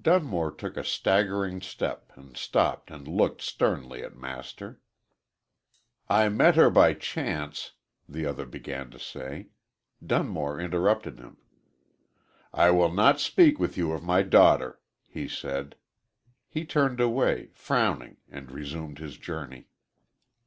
Dunmore took a staggering step and stopped and looked sternly at Master. "I met her by chance " the other began to say. Dunmore interrupted him. "I will not speak with you of my daughter," he said. He turned away, frowning, and resumed his journey.